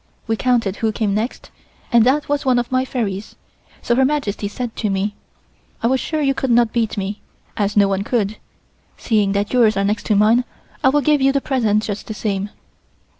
We counted who came next, and that was one of my fairies, so Her Majesty said to me: "I was sure you could not beat me, as no one could. Seeing that yours are next to mine, I will give you the present just the same."